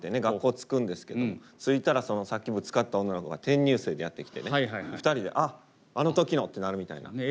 学校着くんですけど着いたらそのさっきぶつかった女の子が転入生でやって来てね２人で「あっあの時の」ってなるみたいな。